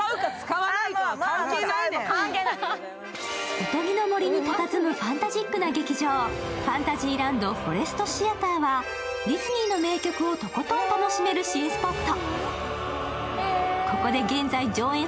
おとぎの森にたたずむファンタジックな劇場、ファンタジーランド・フォレストシアターはディズニーの名曲をとことん楽しめる新スポット。